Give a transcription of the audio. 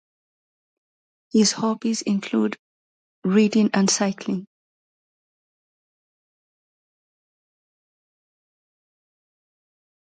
His hobbies include reading and cycling.